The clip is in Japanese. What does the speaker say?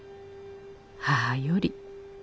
母より」。